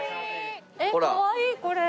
えっかわいいこれ。